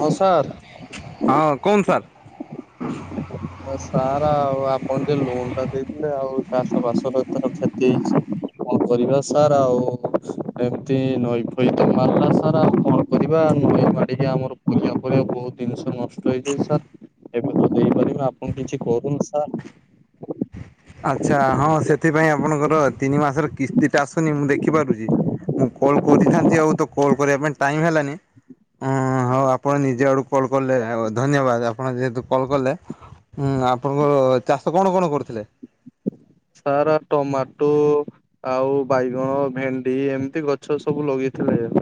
ହଁ, ସାର୍! ହଁ, କହନ୍ତୁ ସାର୍। ସାର୍ ଆଉ ଆପଣ ଯେ ଲୋନ୍ ଟା ଦେଇଥିଲେ। ଆଉ, ଚାଷ ବାସ ଏଥର କ୍ଷତି ହେଇଛି କଣ କରିବା ସାର୍ ଆଉ? ଏମିତି ନଈ ଫଇତ୍ ମାରିଲା ସାର୍ ଆଉ କଣ? କରିବା, ନଈ ମାଡିକି ଆମର ପରିବା ଫରିବା ବହୁତ ଦିନିଷ ନଷ୍ଟ ହେଇଛି ସାର୍। ଏବେ ତ ଦେଇପାରିବୁନି। ଆପଣ କିଛି କରୁନ୍ ସାର୍? ଆଚ୍ଛା, ହଁ ସେଥିପାଇଁ ଆପଣଙ୍କର ତିନି ମାସର କିସ୍ତି ଟା ଆସୁନି। ମୁଁ ଦେଖିପାରୁଛି। ମୁଁ କଲ୍ କରିଥାନ୍ତି ଆଉ ତ, କଲ୍ କରିବା ପାଇଁ ଟାଇମ୍ ହେଲାନି? ହଁ, ହଉ ଆପଣ ନିଜେ ଆଡକୁ କଲ୍ କଲେ, ଆଉ ଧନ୍ୟବାଦ! ଆପଣ ଯେହେତୁ କଲ୍ କଲେ। ହୁଁ, ଆପଣଙ୍କର ଚାଷ କଣ କଣ କରୁଥିଲେ? ସାରା ଟମାଟୁ। ଆଉ ବାଇଗଣ, ଭେଣ୍ଡି ଏମିତି ଗଛ ସବୁ ଲଗେଇଥିଲେ ଆଉ।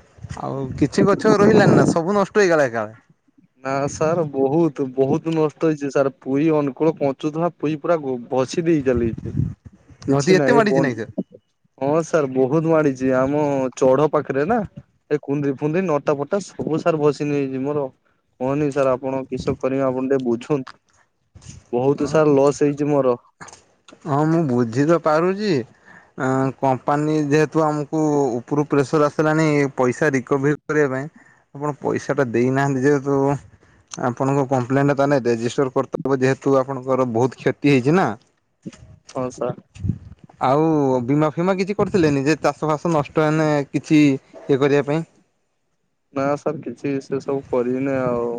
ଆଉ, କିଛି ଗଛ ରହିଲାନି ନା, ସବୁ ନଷ୍ଟ ହେଇଗଲା ଏକାବେଳେ। ନା ସାର୍ ବହୁତ ବହୁତ ନଷ୍ଟ ହେଇଛି, ସାର୍ ପୁଇ ଅନୁକୂଳ ପହଞ୍ଚୁଥିଲା। ପୁଇ ପୁରା ଗୋ ପଛି ଦେଇ ଚାଲିଛି। ନଦୀ କିଛି ଏତେ ନାହିଁ ମାଡ଼ିଛି ନାଇଁ ସେ? ବନ୍ଦ। ହଁ, ସାର୍ ବହୁତ ମାଡିଛି। ଆମ ଚଢ ପାଖରେ ନା! ଏଇ କୁନ୍ଦିରି ଫୁନ୍ଦରି ନଟା ଫଟା ସବୁ ସାର ଭସେନେଇଯାଇଚି ମୋର। କୁହନି ସାର୍ ଆପଣ କିସ କରିବେ ଆପଣ ଟିକେ ବୁଝୁନ୍? ବହୁତ ସାର୍ ଲସ୍ ହେଇଛି ମୋର। ହଁ, ମୁଁ ବୁଝି ତ ପାରୁଛି! ଆଁ କମ୍ପାନୀ ଯେହେତୁ ଆମକୁ ଉପରୁ ପ୍ରେସର୍ ଆସିଲାଣି ପଇସା ରିକଭର୍ କରିବା ପାଇଁ ଆପଣ ପଇସା ଟା ଦେଇନାହାଁନ୍ତି, ଯେହେତୁ ଆପଣଙ୍କ କଂପ୍ଲେନ୍ ଟା ତାହେନେ ରେଜିଷ୍ଟର୍ କରିତେ ଦବ, ଯେହେତୁ ଆପଣଙ୍କର ବହୁତ କ୍ଷତି ହେଇଛି ନା! ହଉ ସାର୍। ଆଉ, ବୀମା ଫିମା କିଛି କରିଥିଲେନି, ଯେ ଚାଷ ଫାସ ନଷ୍ଟ ହେନ କିଛି ଇଏ କରିବା ପାଇଁ। ନା ସାର୍ କିଛି, ସେ ସବୁ କରିନି ଆଉ।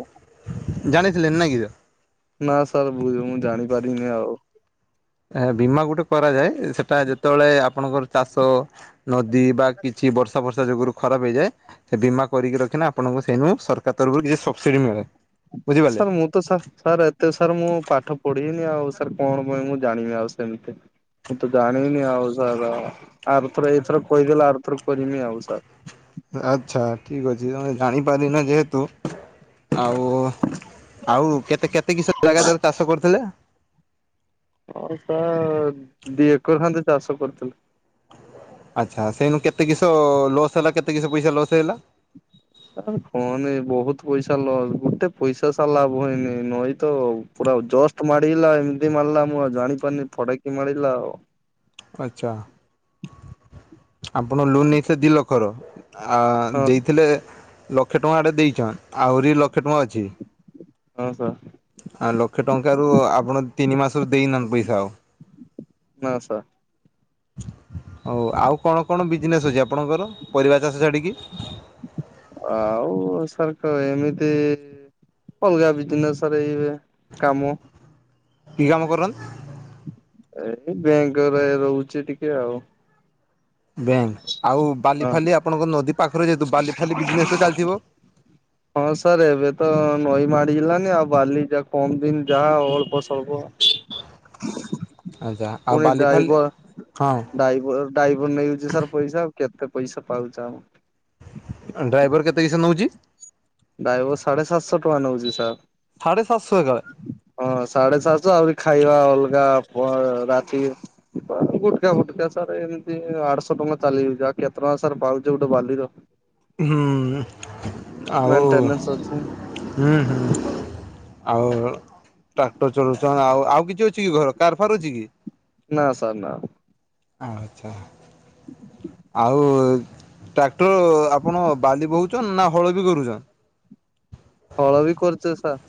ଜାଣିଥିଲେ ନାଇକିତ। ନା, ସାର୍ ଭୁଲ୍ ରେ ମୁଁ ଜାଣିପାରିନି ଆଉ। ବୀମା ଗୁଟେ କରାଯାଏ। ସେଟା ଯେତେବେଳେ ଆପଣଙ୍କର ଚାଷ ନଦୀ ବା କିଛି ବର୍ଷା ବର୍ଷା ଯୋଗୁରୁ ଖରାପ ହେଇଯାଏ! ସେ ବୀମା କରିକି ରଖିନେ, ଆପଣଙ୍କୁ ସେଇନୁ ସରକାର ତରଫରୁ କିଛି ସବସିଡ଼ି ମିଳେ। ବୁଝିପାରିଲେ। ସାର୍ ମୁଁ ସାର୍, ଏତେ ସାର୍ ମୁଁ ପାଠ ପଢିନି ଆଉ, ସାର୍ କଣ ପାଇଁ ମୁଁ ଜାଣିବି ଆଉ ସେମିତି? ମୁଁ, ତ ଜାଣିନି ଆଉ ସାର୍। ଆରଥର ଏଇଥର କହିଦେଲେ ଆରଥର କରମି ଆଉ ସାର୍। ଆଚ୍ଛା, ଠିକ୍ ଅଛି। ତମେ ଜାଣିପାରିନ ଯେହେତୁ ଆଉ! ଆଉ, କେତେ କେତେ କିଷ ଜାଗା ଧେରେ ଚାଷ କରୁଥିଲେ? ହଁ, ସାର୍ ଦି ଏକର ଖଣ୍ଡେ ଚାଷ କରୁଥିଲି। ଆଚ୍ଛା, ସେଇନୁ କେତେ କିିଷ ଲସ୍ ହେଲା କେତେ କିସ ପଇସା ଲସ୍ ହେଇଲା? ସାର୍ କହନି ବହୁତ ପଇସା ଲସ୍! ଗୁଟେ ପଇସା ସାର୍ ଲାଭ ହେଇନି। ନଈ ତ ଆଉ ପୁରା ଆଉ ଜଷ୍ଟ ମାଡିଲା, ଏମିତି ମାରିଲା, ମୁଁ ଆଉ ଜାଣି ପାରିନି, ଫଡାକି ମାରିଲା ଆଉ। ଆଛା, ଆପଣ ଲୋନ୍ ନେଇ ସେ ଦି ଲକ୍ଷର। ଆଁ ହଁ ଦେଇଥିଲେ, ଲକ୍ଷେ ଟଙ୍କାଟେଁ ଦେଇଛନ୍। ଆହୁରି ଲକ୍ଷେ ଟଙ୍କା ଅଛି। ହଁ, ସା ଆ ଲକ୍ଷେ ଟଙ୍କାରୁ ଆପଣ ତିନି ମାସରୁ ଦେଇନାହାଁନ୍ତି ପଇସା ଆଉ। ନା, ସା ହଉ, ଆଉ କଣ କଣ ବିଜିନେସ୍ ଅଛି ଆପଣଙ୍କର, ପରିବା ଚାଷ ଛାଡିକି? ଆଉ ସାର୍ ତ ଏମିତି କଣକରିବା ବିଯିନେସ ରେ ଏଇ କାମ କି କାମ କରନ୍ତି? ଏଇ ବେଙ୍କରେ ରହୁଛି ଟିକେ ଆଉ। ବ୍ୟାଙ୍କ ଆଉ ହଁ। ବାଲିଫାଲି ଆପଣଙ୍କ ନଦୀ ପାଖରେ ଯେହେତୁ ବାଲିଫାଲି ବିଯିନେସ ତ ଚାଲିଥିବ? ହଁ ସାରେ ଏବେ ତ ନଈ ମାଡିଗଲାନି ଆଉ ବାଲି ଯା କମ ଦିନ ଯାହା ଅଳ୍ପ ସଳ୍ପ ଆଚ୍ଛା ଆଉ ପୁଣି ବାଲି ଫାଲି ଡ୍ରାଇଭର ହଁ ଡ୍ରାଇଭର ଡ୍ରାଇଭର ନେଇଯାଉଛି ସାର୍ ପଇସା ଆଉ କେତେ ପଇସା ପାଉଚ ଆମେ। ଡ୍ରାଇଭର କେତେ କିସ ନେଉଛି? ଡ୍ରାଇଭର ସାଢେ ସାତଶହ ଟଙ୍କା ନେଉଛି ସାର୍। ସାଢେ ସାତଶହ ଏକାବେଳେ? ହଁ ସାଢେ ସାତଶହ ଆହୁରି ଖାଇବା ଅଲଗା ପ ରାତିକି ଘୁଟକା ଫୁଟୁକା ସାର୍ ଏମିତି ଆଠଶହ ଟଙ୍କା ଚାଲିଯାଉଛି ଆଉ କେତେ ଟଙ୍କା ସାର୍ ପାଉଛି ଗୋଟେ ବାଲିର। ହୁ ଆଉ ମେଣ୍ଟେନାନ୍ସ ଅଛି ହୁଁ ହୁଁ। ଆଉ ଟ୍ରାକ୍ଟର ଚଳଉଛନ୍ ଆଉ ଆଉ କିଛି ଅଛି କି ଘର କାର ଫାର ଅଛି କି? ନା ସାର୍ ନା। ଆଚ୍ଛା। ଆଉ ଟ୍ରାକ୍ଟର ଆପଣ ବାଲି ବୋହୁଛନ ନା ହଳ ବି କରୁଛନ୍? ହଳ ବି କରୁଛେ ସାର୍।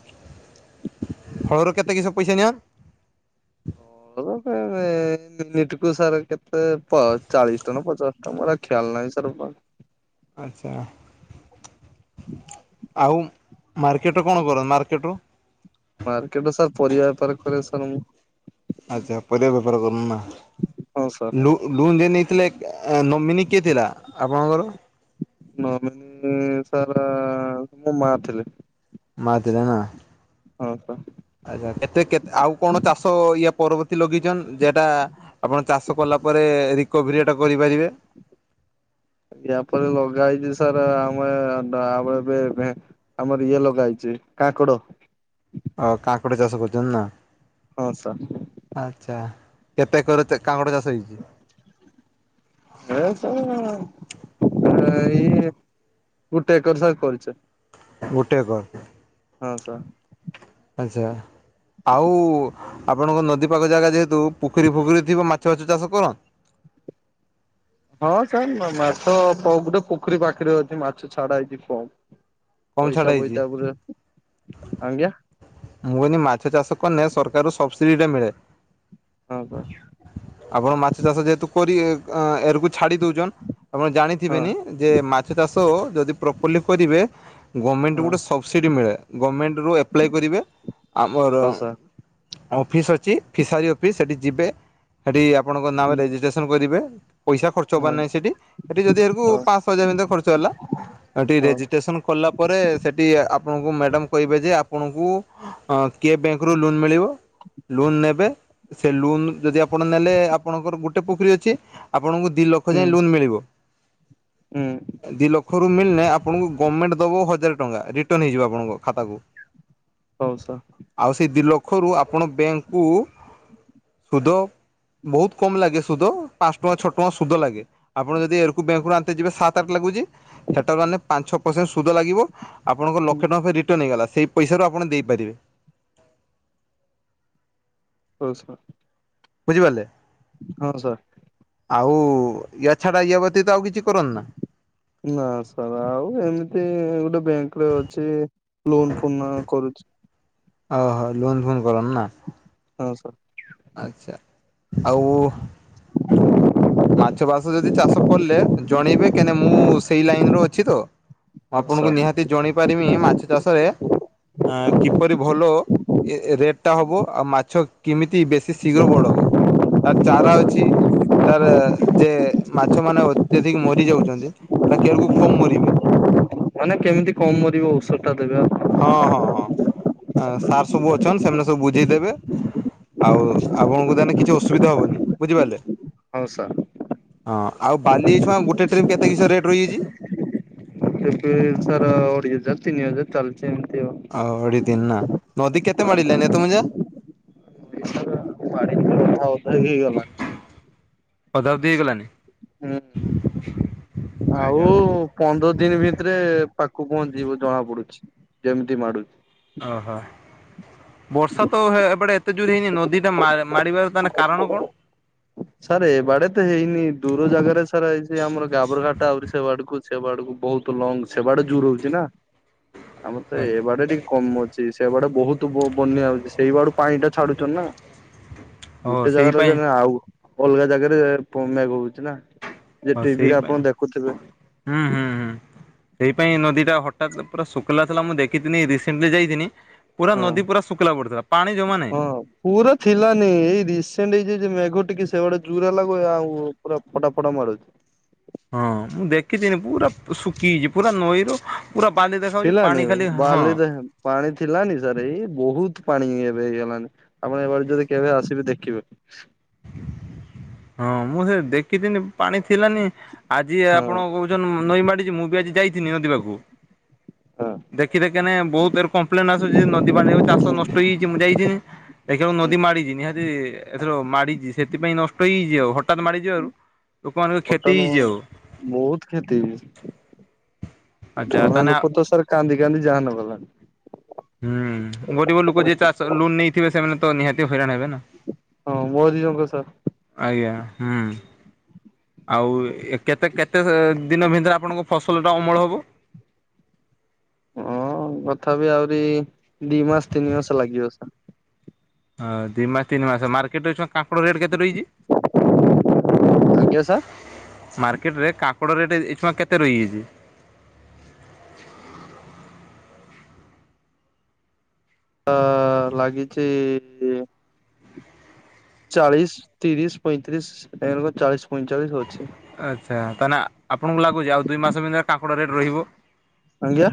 ହଳରୁ କେତେ କିସ ପଇସା ନିଅ? [inaudible] ନିଟ୍ କୁ ସାର୍ କେତେ ପ ଚାଳିଶ ଟଙ୍କ ନା ପଚାଶ ଟଙ୍କା ମୋର ଖିଆଲ ନାହିଁ ସାର୍ ଆଚ୍ଛା। ହୁଁ। ଆଉ ମାର୍କେଟରେ କଣ କର ମାର୍କେଟ ରୁ? ମାର୍କେଟ ସାର୍ ପରିବା ବେପାର କରେ ସାର୍ ମୁଁ। ଆଚ୍ଛା ପରିବା ବେପାର କର ନା ହଁ ସାର୍ ଲୁ ଲୋନ୍ ଯେଏ ନେଇଥିଲେ ନମିନି କିଏ ଥିଲା ଆପଣଙ୍କର? ନୋମିନୀ ସାର୍ ମୋ ମା ଥିଲେ। ମା ଥିଲା ନା। ଓହୋ। ଆଛା କେତେ କେତେ ଆଉ କଣ ଚାଷ ଇଏ ପରବର୍ତୀ ଲଗେଇଛନ୍ ଯେଟା ଆପଣ ଚାଷ କଲା ପରେ ରିକଭରି ଏଟା କରିପାରିବେ। ୟାପରେ ଲଗା ହେଇଛି ସାର୍ ଆମେ ବା ଭେ ଆମର ଇଏ ଲଗା ହେଇଛି କାଙ୍କଡ। ଅ କାଙ୍କଡ଼ ଚାଷ କରିଛନ୍ତି ନା। ହଁ ସାର୍। ଆଚ୍ଛା କେତେ ଏକର କାଙ୍କଡ଼ ଚାଷ ହେଇଛି? ଏ ତ ଏଇ ଗୋଟେ ଏକର ସାର୍ କରିଚୁ। ଗୋଟେ ଏକର। ହଁ ସାର୍। ଆଚ୍ଛା। ଆଉ ଆପଣଙ୍କ ନଦୀପାଖ ଜାଗା ଯେହେତୁ ପୋଖରୀ ଫୁଖରୀ ଥିବ ମାଛ ଫାଛ ଚାଷ କରୁ ହଁ ସାର୍ ମାଛ ଗୋଟେ ପୋଖରୀ ପାଖରେ ଅଛି ମାଛ ଛାଡା ହେଇଛି କମ୍। କମ୍ ଛାଡ଼ ପଇସା ପଇ ହେଇଛି ତା ଉପୁରା ଆଜ୍ଞା। ମୁଁ କହିଲି ମାଛ ଚାଷ କନେ ସରକାରୁ ସବସିଡି ଟା ମିଳେ। କଣ କରଚୁ? ଆପଣ ମାଛ ଚାଷ ଯେହେତୁ କରିବେ ଏରକୁ ଛାଡି ଦଉଛନ୍ ଆପଣ ହଁ ଜାଣିଥିବେନି ଯେ ମାଛ ଚାଷ ଯଦି ପ୍ରପର୍ଲି କରିବେ ଗମେଣ୍ଟ ରୁ ହଁ ଗୋଟେ ସବ୍ସିଡ୍ ମିଳେ ଗମେଣ୍ଟ ରୁ ଆପ୍ଲାଏ କରିବେ। ମୋର ହଉ ସାର୍ ଅଫିସ୍ ଅଛି ଫିସାରୀ ଅଫିସ୍ ସେଇଠି ଯିବେ। ସେଠି ଆପଣଙ୍କ ନାଁ ରେ ହୁଁ ରେଜିଷ୍ଟ୍ରେସନ କରିିବେ। ପଇସା ଖର୍ଚ୍ଚ ପବାର ହଁ ନାହିଁ ସେଟି ସେଠି ଯଦି ଏରଙ୍କୁ ହଁ ପାଞ୍ଚଶହ ହଜାର ଭିତରେ ଖର୍ଚ୍ଚ ହେଲା। ଠି ହଁ ରେଜିଷ୍ଟ୍ରେସନ କଲା ପରେ ସେଠି ଆପଣଙ୍କୁ ମ୍ୟାଡାମ କହିବେ ଯେ ଆପଣଙ୍କୁ ହଁ କିଏ ବ୍ୟାଙ୍କରୁ ଲୋନ୍ ମିଳିବ ଲୋନ୍ ନେବେ। ସେ ଲୁନ୍ ଯଦି ଆପଣ ନେଲେ ଆପଣଙ୍କର ଗୋଟେ ପୋଖରୀ ଅଛି ଆପଣଙ୍କୁ ଦି ହୁଁ ଲକ୍ଷ ଲୋନ୍ ମିଳବ ହୁଁ ଦି ଲକ୍ଷ ଲୋନ୍ ମିଳିନେ ଆପଣଙ୍କୁ ଗମେଣ୍ଟ ଦବ ହଜାର ଟଙ୍କା ରିଟର୍ନ ହେଇଯିବ ଆପଣଙ୍କ ଖାତାକୁ। ହଉ ସାର୍। ଆଉ ସେ ଦୁଇ ଲକ୍ଷରୁ ଆପଣ ବ୍ୟାଙ୍କକୁ ସୁଧ ବହୁତ କମ୍ ଲାଗେ ସୁଧ ପାଞ୍ଚ ଟଙ୍କା ଛଅ ଟଙ୍କା ସୁଧ ଲାଗେ। ଆପଣ ଯଦି ଏରକୁ ବେଙ୍କ ରୁ ଆଣିତେ ଯିବେ ସାତ ଆଠ ଲାଗୁଛି ସେଟା ରୁ ଆଣିଲେ ପାଞ୍ଚ ଛଅ ପର୍ସେଣ୍ଟ ସୁଧ ଲାଗିବ। ଆପଣଙ୍କ ହୁଁ ଲକ୍ଷେ ଟଙ୍କା ରିଟର୍ଣ୍ଣ ହେଇଗଲା ସେଇ ପଇସାରୁ ଆପଣ ଦେଇପାରିବେ। ହଉ ସାର୍। ବୁଝିପାରିଲେ। ହଁ ସାର୍। ଆଉ ୟା ଛାଡା ୟା ବ୍ୟତୀତ ଆଉ କିଛି କରନି ନା। ନା ସାର୍ ଆଉ ଏମିତି ଗୋଟେ ବ୍ୟାଙ୍କ ରେ ଅଛି। ଲୋନ୍ ଫୁନ ଆଉ କରୁଛି। ଓ ହଉ ଲୋନ ଫନ କରନ ନା। ହଁ ସାର୍। ଆଚ୍ଛା ଆଉ ମାଛ ବାସ ଯଦି ଚାଷ କଲେ ଜଣେଇବେ କାହିଁନା ମୁଁ ସେଇ ଲାଇନ୍ ରେ ଅଛି ତ। ମୁଁ ହଉ ଆପଣଙ୍କୁ ସାର୍ ନିହାତି ଜଣେଇ ପାରିବି ମାଛ ଚାଷରେ ଆ କିପରି ଭଲ ରେଟ୍ ଟା ହବ ଆଉ ମାଛ କେମିତି ବେଶ ସେ ଶୀଘ୍ର ବଡ ହବ ହଉ ଚାରା ସାର୍ ଅଛି। ତାର ଯେ ମାଛ ମାନେ ଅତ୍ୟଧିକ ମରି ଯାଉଛନ୍ତି। ଏଟ କିୟରକୁ କମ୍ ମରିବେ। ମାନେ କେମିତି କମ ମରିବ ଔଷଧ ଟା ଦେବେ ଆଉ। ହଁ ହଁ ହଁ ସାର୍ ସବୁ ଅଛନ୍ତିନ୍ ସେମାନେ ସବୁ ବୁଝେଇଦେବେ। ଆଉ ଆପଣଙ୍କୁ ତାହେଲେ କିଛି ଅସୁବିଧା ହବନି ବୁଝିପାରିଲେ। ହଉ ସାର୍ ହଁ ଆଉ ବାଲି ଛୁଆ ଗୋଟେ ଟ୍ରିପ କେତେ କିସ ରେଟ ରହିଯାଇଛି। ସେ ସର ଯତି ନି ଚାଲଚ ଏମତି [inaudible] ଅଉ ଅଢି ଦତିନି ନା ନଦୀ କେତେ ମାଡ଼ିଲେନି ତମଁ ଯା ବାଡି କଥାଉଥା ହେଇଗଲାଣି [inaudible] ପଦାର୍ ଦ ହେଇଗଲଣିି। ହୁଁ ଆଉ ପନ୍ଦର ଦିନ ଭିତରେ ପାଖକୁ ପହଞ୍ଚିବ ଜଣା ପଡୁଛି ଯେମିତି ମାଡୁଛି। ଓହୋ। ବର୍ଷା ତ ଏବେଟେ ଏତେ ଜୋର ହେଇନି ନଦୀ ଟା ମାରିବାର ତାହେଲେ କାରଣ କଣ? ସାର୍ ଏ ବାଡେ ତ ହେଇନି ଦୂର ଜାଗାରେ ସାର୍ ଏଇଛି ଆମର ଗାବରଘାଟ ଆହୁରି ସେ ବାଡକୁ ବା ଆଡକୁ ବହୁତ ଲଙ୍ଗ ସେ ବାଡେ ଜୋର ହଉଛି ନା ଆମର ତ ଏ ବାଡେ ଟିକେ କମ ଅଛି ସେ ବାଡେ ବହୁତ ବନ୍ୟା ହଛି ସେଇ ବାଡୁ ପାଣି ଟା ଛାଡୁଛନ୍ତି ନା। ଓହୋ ଗୋଟେ ସେଇ ଜାଗାର ଯେ ପାଇଁ ଆଉ ଅଲଗା ଜାଗାରେ ମେଘ ହଉଛି ନା। ଯେ ହଉ ଟିଭିରେ ସେଇ ଆପଣ ପାଇଁ ଦେଖୁଥିବେ ଇ ହୁଁ ହୁଁ ହୁଁ। ସେଇ ପାଇଁ ନଦୀ ଟା ହଠାତ ପୁରା ଶୁଖିଲ ଥିଲା। ମୁଁ ଦେଖିିନି ରିସେଣ୍ଟଲି ଯାଇଥିନି। ପୁରା ହଁ ନଦୀ ପୁରା ଶୁଖିଲା ପଡୁଥିଲା ପାଣି ଜମା ନାହିଁ। ହଁ ପୁରା ଥିଲାନି ଏଇ ରିସେଣ୍ଟ ଏଇ ଯ ମେଘ ଟିକେ ସେଡେ ଜୁରା ଲାଗୁ ଆଉ ପୁରା ଫଟା ଫଟା ମାରୁଛି। ହଁ ମୁଁ ଦେଖିଥିନି ପୁରା ଶୁଖିାଇଛି ପୁରା ନଈର ପୁରା ବାଲି ଦେଖାାଯେଉଛି ଥିଲାନି ପାଣି ଖାଲି ହଁ। ବାଲି ପାଣି ଥିଲାନି ସାର୍ ଏଇ ବହୁତ ପାଣି ଏବେ ହେଇଗଲାଣି। ଆପଣ ଏଭଳି ଯଦି କେବେ ଆସିବେ ଦେଖିବେ। ହଁ ମୁଁ ସେ ଦେଖିିନି ପାଣି ଥିଲାନି ଆଜି ହଁ ଆପଣ କହୁ ନଈ ମାଡିଛି ମୁଁ ବି ଆଜି ଯାଇଥିନି ନଦୀ ପାକୁ ହଁ ଦେଖି ଦେଖ ବହୁତ ଏ କମ୍ପ୍ଲେନ ଆସୁଛି ନଦୀ ବା ଚାଷ ହୁଁ ନଷ୍ଟ ହେଇଯାଇଛି ମୁଁ ଯାଇି ଦେଖିବାକୁ ହୁଁ ନଦୀ ମାଡିଛି ନିହାତି ମାଡିଛି ସେଥିପାଇଁ ନଷ୍ଟ ହେଇଯଇଛି ଆଉ ହଠାତ୍ ମାଡିଯିବ ଆଉ। ଅଟନ ବହୁତ କ୍ଷତି [inaudible] ଆଚ୍ଛା ତାନେ ଲୋକ ତ ସାର କାନ୍ଦି କାନ୍ଦି ଜାନ ଗଲା। ହୁଁ ଗରିବ ଲୋକ ଯଏ ଚାଷ ଲୋନ୍ ନେଇଥିବେ, ସେମାନେ ତ ନିହାତି ହଇରାଣ ହେବେ ନା। ହଁ ମୋ ଦିନଙ୍କ ସ ଆଜ୍ଞା ହୁଁ। ଆଉ କେତେ କେତେ ଦିନ ଭିତରେ ଆପଣଙ୍କ ଫସଲଟା ଅମଳ ହେବ? ହଁ କଥାପି ଆହୁରି ଦି ମାସ ତିନି ମାସ ଲାଗିବ ସାର୍। ହଁ ଦିଇ ମାସ ତିନି ମାସ ମାର୍କେଟରେ ଛୁଆ କାଙ୍କଡ ରେଟ୍ କେତେ ରହିଛି? କେ ସାର୍? ମାର୍କେଟ ରେ କାକଡ ରେଟ ଏଛୁଆ କେତେ ରହିଯାଇଛି? ତ ଲାଗିଛି ଚାଳିଶ ତିରିଶ ପଇଁତିରିଶ ଏମ୍ ଚାଳିଶ ପଇଁଚାଳିଶ ଅଛେ। ଆଚ୍ଛା ତାନେ ଆପଣଙ୍କୁ ଲାଗୁଛି ଆଉ ଦୁଇ ମାସ ଭିତରେ କାଙ୍କଡ଼ ରେଟ୍ ରହିବ। ଆଜ୍ଞା।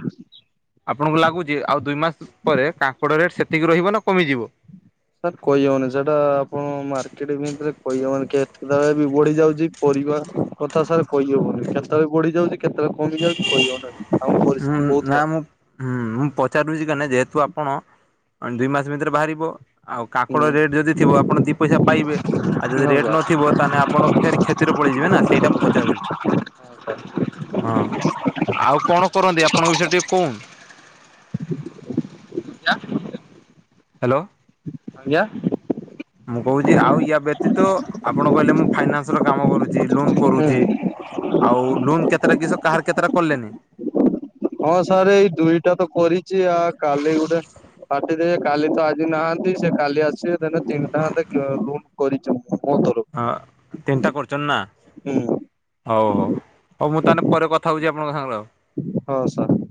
ଆପଣଙ୍କୁ ଲାଗୁଛି ଆଉ ଦୁଇ ମାସ ପରେ କାଙ୍କଡ଼ ରେଟ୍ ସେତିକି ରହିବ ନା କମିଯିବ? ସାର୍ କହିହବନି ସେଟା ଆପଣ ମାର୍କେଟ ଭରେ କହିହବନି କେତେବେଳେ ବି ବଢି ଯାଉଛି ପରିବା କଥା ସାର କହିହବନି କେତେବେଳେ ବଢିଯାଉଛି କେତେବେଳେ କମି ଯାଉଛି କହିହବନି? ଆମ ହୁଁ ପରିସ୍ଥିତି ବହୁତ ନା ଖରାପ ମୁଁ ହୁଁ ମୁଁ ପଚାରୁଛି କାହିଁ ଯେହେତୁ ଆପଣ ଦୁଇ ମାସ ଭିତରେ ବାହାରିବ ଆଉ କାଙ୍କଡ଼ ହୁଁ ରେଟ୍ ଯଦି ଥିବ ଆପଣ ଦିଇ ପଇସା ପାଇବେ ଆଉ ଯଦି ହଁ ରେଟ୍ ସାର୍ ନଥିବ ତାହେଲେ ଆପଣ ଫେର କ୍ଷତିରେ ପଳଯିବ ନା ସେଇଟା ମୁଁ ପଚାରୁଛି ହ ହଁ ଆଉ କଣ କରନ୍ତି ଆପଣଙ୍କ ବିଷୟରେ ଟିକେ କହୁନ ହ୍ୟାଲୋ ଆଜ୍ଞା ମୁଁ କହୁଛି ଆଉ ୟା ବ୍ୟତୀତ ଆପଣ କହିଲେ ମୁଁ ଫାଇନାନ୍ସର କାମ କରୁଛି ଲୋନ ହୁଁ। କରୁଛି ଆଉ ଲୋନ୍ କେତେଟା କିସ କାହାର କେତେଟା କଲେନି ହଁ ସାର୍ ଏଇ ଦୁଇଟା ତ କରିଛି ଆ କାଲି ଗୋଟେ କଟିଦବେ କାଲି ତ ଆଜି ନାହାନ୍ତି ସେ କାଲି ଆସିବେ ତିନି ଟଙ୍କା ଲୋନ୍ କରିଛ ମ ତର ହଁ ତିନିଟା କରୁଛନ ନା। ହୁଁ ହଉ ହଉ ହଉ ମୁଁ ତାହେଲେ ପରେ କଥା ହଉଛି ଆପଣଙ୍କ ସାଙ୍ଗରେ ଆଉ। ହଁ ସାର୍।